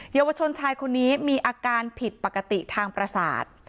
เยาวชนชายคนนี้มีอาการผิดปกติทางประสาท